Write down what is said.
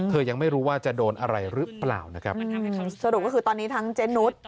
เธอยังไม่รู้ว่าจะโดนอะไรหรือเปล่านะครับ